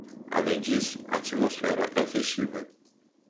Além disso, a atmosfera é festiva.